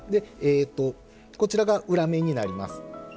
こちらが裏面になります。